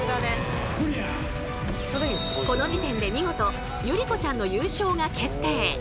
この時点で見事悠莉子ちゃんの優勝が決定。